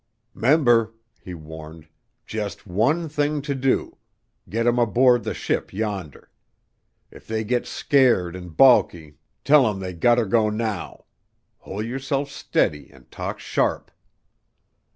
"'Member," he warned, "jus' one thing to do, git 'em aboard the ship yonder. If they git scared and balky, tell 'em they gut ter go now. Hol' yerself steady and talk sharp."